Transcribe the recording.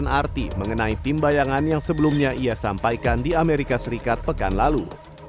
bukan arti mengenai tim bayangan yang sebelumnya ia sampaikan di amerika serikat pekan lalu